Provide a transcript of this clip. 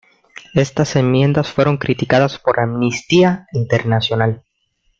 Estas enmiendas fueron criticadas por Amnistía Internacional.